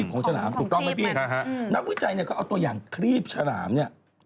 ของฉลามถูกต้องไหมพี่นักวิจัยเนี่ยก็เอาตัวอย่างครีบฉลามเนี่ย